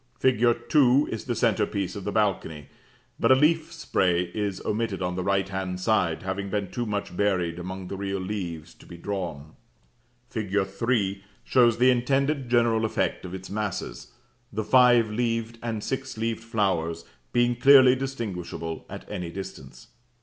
Fig. 2 is the centre piece of the balcony, but a leaf spray is omitted on the right hand side, having been too much buried among the real leaves to be drawn. Fig. 3 shows the intended general effect of its masses, the five leaved and six leaved flowers being clearly distinguishable at any distance.